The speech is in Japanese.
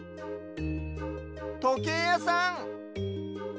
とけいやさん！